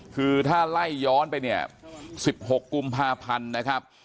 คือถ้าไล่ย้อนไปเนี่ย๑๖กุมภาพันธ์นะครับ